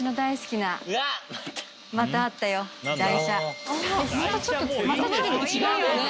またちょっと違うよね。